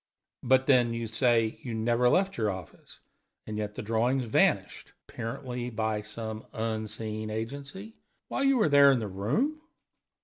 "But, then, you say you never left your office, and yet the drawings vanished apparently by some unseen agency while you were there in the room?"